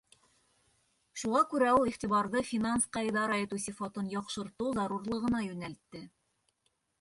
Шуға күрә ул иғтибарҙы финансҡа идара итеү сифатын яҡшыртыу зарурлығына йүнәлтте.